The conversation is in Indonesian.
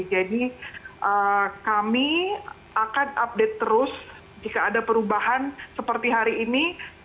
jadi kami akan update terus jika ada perubahan seperti hari ini